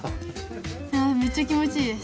めっちゃ気持ちいいです。